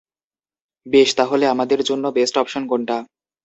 বেশ, তাহলে আমাদের জন্য বেস্ট অপশন কোনটা?